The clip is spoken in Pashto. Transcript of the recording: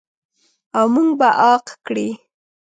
او موږ به عاق کړي.